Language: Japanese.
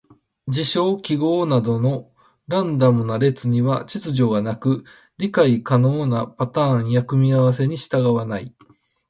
事象・記号などのランダムな列には秩序がなく、理解可能なパターンや組み合わせに従わない。